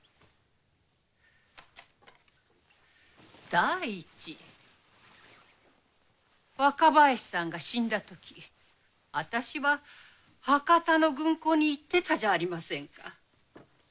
第一若林さんが死んだとき私は博多の軍港に行ってたじゃありませんか。